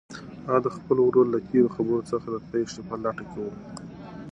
هغه د خپل ورور له تېرو خبرو څخه د تېښتې په لټه کې وه.